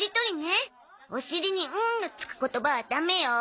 おしりに「ん」の付く言葉はダメよ。